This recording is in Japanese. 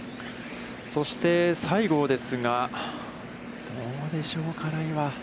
そして、西郷ですが、どうでしょうか、ライは。